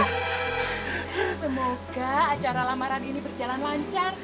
semoga acara lainnya berjalan lancar